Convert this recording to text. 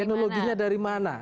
teknologinya dari mana